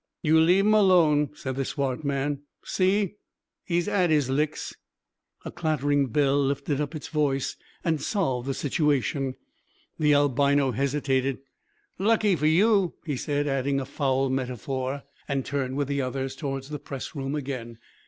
"You leave 'im alone," said the swart man. "See? 'E's 'ad 'is licks." A clattering bell lifted up its voice and solved the situation. The albino hesitated. "Lucky for you," he said, adding a foul metaphor, and turned with the others towards the press room again.